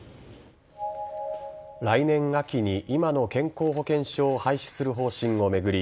来年秋に今の健康保険証を廃止する方針を巡り